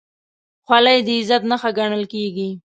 خولۍ د عزت نښه ګڼل کېږي.